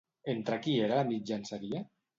Entre qui era la mitjanceria?